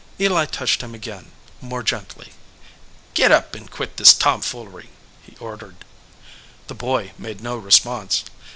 Eli touched him again, more gently. "Git up and quit this tomfoolery," he ordered. The boy made no response.